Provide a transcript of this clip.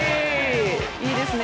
いいですね。